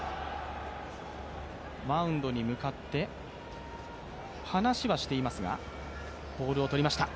マウンドに向かって、話はしていますが、ボールをとりました、